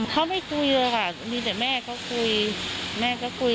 เขาไม่คุยเยอะค่ะมีแต่แม่เขาคุยแม่ก็คุย